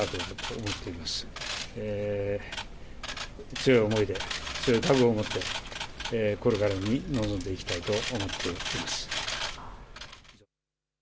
強い思いで強い覚悟を持ってこれからに臨んでいきたいと思っております。